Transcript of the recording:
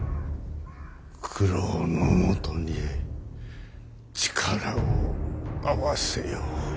九郎のもとで力を合わせよ。